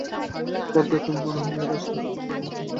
বাদ দাও, তুমি মনে হয় মেয়রের সাহসী দমকল বাহিনীর একজন।